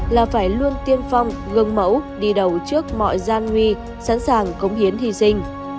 là phải luôn tiên phong gần mẫu đi đầu trước mọi gian nguy sẵn sàng công hiến hy sinh